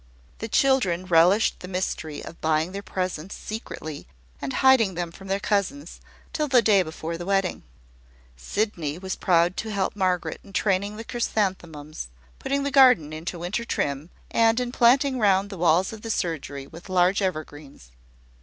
The children relished the mystery of buying their presents secretly, and hiding them from their cousins, till the day before the wedding. Sydney was proud to help Margaret in training the chrysanthemums, putting the garden into winter trim, and in planting round the walls of the surgery with large evergreens.